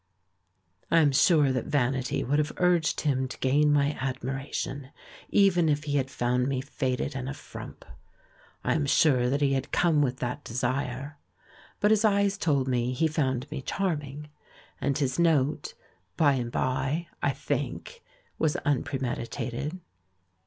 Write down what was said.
I am sure that vanity would have urged him to gain my admiration, even if he had found me faded and a frump ; I am sure that he had come with that desire ; but his eyes told me he found me charming, and his note, by and by, I think, was unpremeditated.